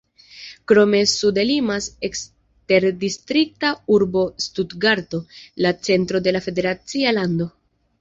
Krome sude limas eksterdistrikta urbo Stutgarto, la centro de la federacia lando.